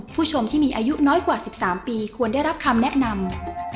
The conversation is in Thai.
ผู้ชมที่มีอายุน้อยกว่า๑๓ปีควรได้รับคำแนะนำ